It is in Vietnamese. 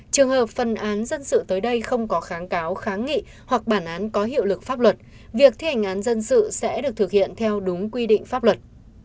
trường hợp phần án dân sự tới đây không có kháng cáo kháng nghị hoặc bản án có hiệu lực pháp luật việc thi hành án dân sự sẽ được thực hiện theo đúng quy định pháp luật